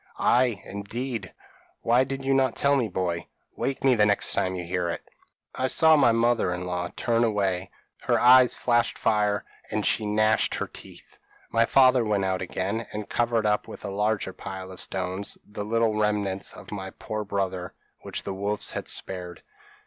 p> "'Ay, indeed! Why did you not tell me, boy? Wake me the next time you hear it.' "I saw my mother in law turn away; her eyes flashed fire, and she gnashed her teeth. "My father went out again, and covered up with a larger pile of stones the little remnants of my poor brother which the wolves had spared.